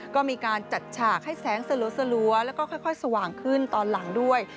ก็มีการจัดฉากให้แสงสลัวแล้วก็ค่อยสว่างขึ้นตอนหลังด้วย